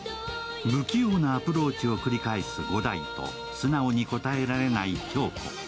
不器用なアプローチを繰り返す五代と素直に応えられない響子。